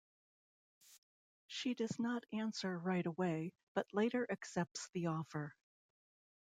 She does not answer right away, but later accepts the offer.